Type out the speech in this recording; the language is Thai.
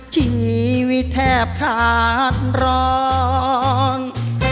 ชีวิตแทบขาดร้อง